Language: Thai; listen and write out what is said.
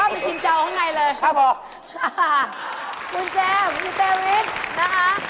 ขอบคุณแจมขอบคุณเตวิทนะคะ